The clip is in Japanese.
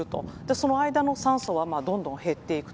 その間も酸素はどんどん減っていく